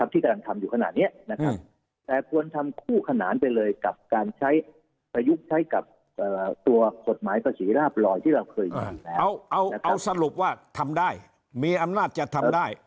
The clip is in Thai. ที่เราเคยละเอาสรุปว่าทำได้มีอำนาจจะทำได้